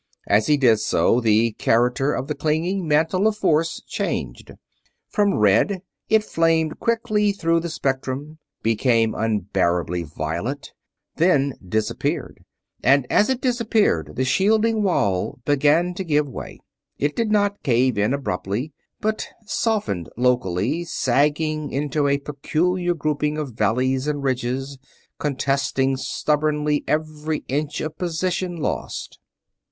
As he did so the character of the clinging mantle of force changed. From red it flamed quickly through the spectrum, became unbearably violet, then disappeared; and as it disappeared the shielding wall began to give way. It did not cave in abruptly, but softened locally, sagging into a peculiar grouping of valleys and ridges contesting stubbornly every inch of position lost.